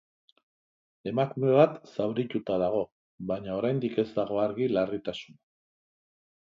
Emakume bat zaurituta dago, baina oraindik ez dago argi larritasuna.